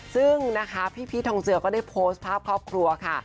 ซึ่งนะคะพี่พีชทองเจือก็ได้โพสต์ภาพครอบครัวค่ะ